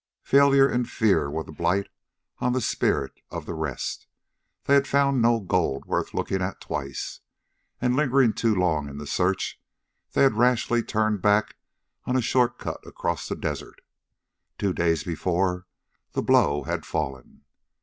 Failure and fear were the blight on the spirit of the rest. They had found no gold worth looking at twice, and, lingering too long in the search, they had rashly turned back on a shortcut across the desert. Two days before, the blow had fallen.